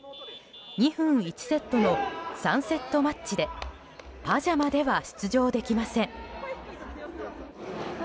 ２分１セットの３セットマッチでパジャマでは出場できません。